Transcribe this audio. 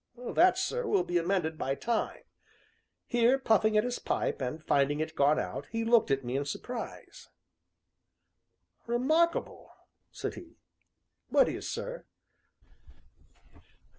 "That, sir, will be amended by time." Here, puffing at his pipe, and finding it gone out, he looked at me in surprise. "Remarkable!" said he. "What is, sir?"